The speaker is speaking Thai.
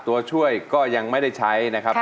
ตัวช่วยก็ยังไม่ได้ใช้นะครับ